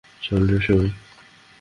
চল রে সবাই।